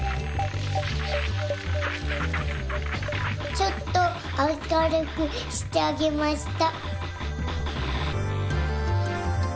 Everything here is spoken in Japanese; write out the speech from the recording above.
ちょっとあかるくしてあげました。